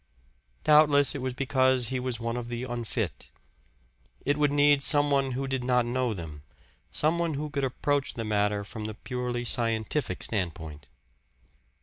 Doubtless, it was because he was one of the unfit. It would need some one who did not know them, some one who could approach the matter from the purely scientific standpoint.